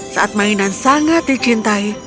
saat mainan sangat dicintai